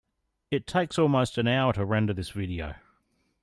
It takes almost an hour to render this video.